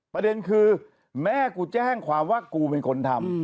ประเด็นคือแม่กูแจ้งความว่ากูเป็นคนทำ